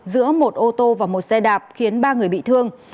giữa một ô tô và một xe đạp khiến ba người bị thương